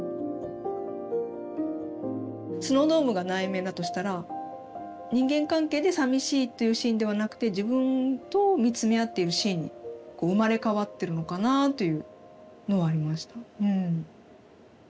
スノードームが内面だとしたら人間関係でさみしいというシーンではなくて自分と見つめ合っているシーンに生まれ変わってるのかなというのはありました。